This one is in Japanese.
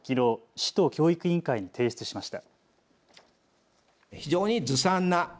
市と教育委員会に提出しました。